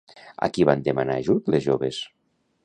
A qui van demanar ajut les joves?